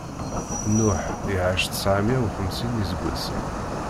Nuḥ iɛac tseɛ meyya uxemsin n iseggasen.